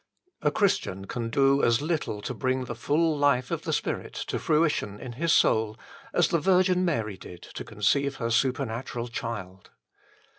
A Christian can do as little to bring the full life of the Spirit to fruition in his soul as the Virgin Mary did to conceive her supernatural child.